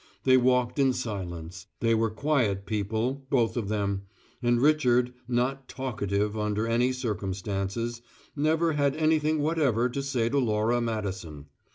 They walked in silence: they were quiet people, both of them; and Richard, not "talkative" under any circumstances, never had anything whatever to say to Laura Madison.